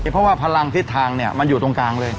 เพราะว่าพลังทิศทางเนี่ยมันอยู่ตรงกลางเลย